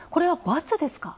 ×ですか？